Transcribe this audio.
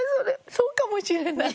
そうかもしれない。